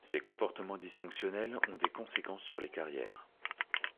Ces comportements dysfonctionnels ont des conséquences sur les carrières.